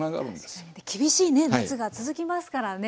確かに厳しいね夏が続きますからね。